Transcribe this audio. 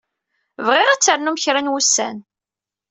Bɣiɣ ad ternum kra n wussan.